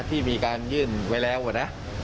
ที่มีการยื่นไว้แล้วนะ